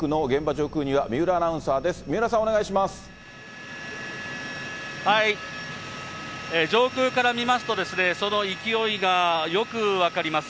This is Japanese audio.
上空から見ますと、その勢いがよく分かります。